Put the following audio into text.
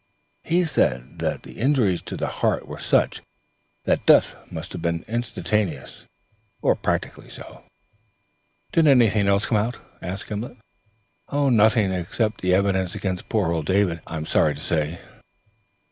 "He said that the injuries to the heart were such that death must have been instantaneous, or practically so." "Did anything else come out?" "Nothing, except the evidence against poor old David, I'm sorry to say."